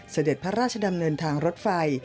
เสด็จพระราชดำเนินทางรถไฟ